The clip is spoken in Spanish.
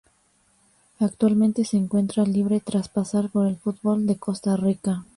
Actualmente se encuentra libre tras pasar por el fútbol de Costa Rica.